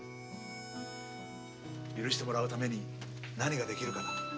許してもらうために何ができるかだ。